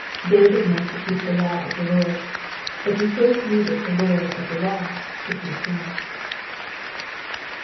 David meant to keep the law of the Lord, but he first needed the Lord of the law to keep him.